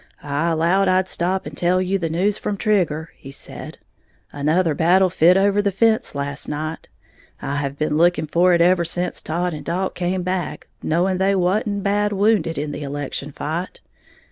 "I allowed I'd stop and tell you the news from Trigger," he said. "Another battle fit over the fence last night. I have been looking for it ever sence Todd and Dalt come back, knowing they wa'n't bad wounded in the election fight.